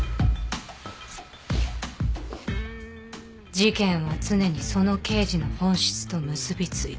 「事件は常にその刑事の本質と結びついている」